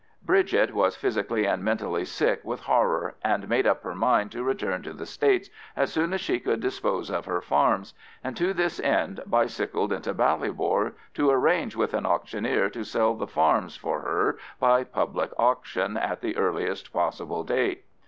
Bridget was physically and mentally sick with horror, and made up her mind to return to the States as soon as she could dispose of her farms, and to this end bicycled into Ballybor to arrange with an auctioneer to sell the farms for her by public auction at the earliest possible date.